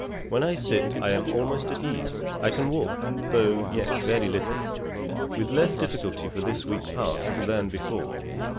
When I sit I am almost at ease, and I can walk, though yet very little, with less difficulty for this week past, than before.